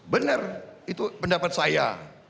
benar itu pendapat saya